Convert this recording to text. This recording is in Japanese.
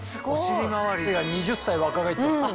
お尻周りが２０歳若返ってます。